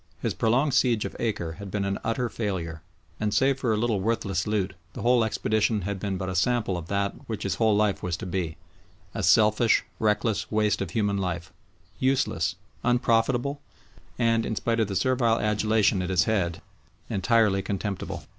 His prolonged siege of Acre had been an utter failure, and save for a little worthless loot the whole expedition had been but a sample of that which his whole life was to be a selfish, reckless waste of human life, useless, unprofitable, and, in spite of the servile adulation it has had, entirely contemptible.